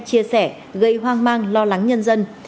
chia sẻ gây hoang mang lo lắng nhân dân